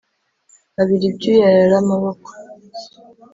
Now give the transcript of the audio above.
abira ibyuya yara amaboko